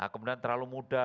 kemudian terlalu muda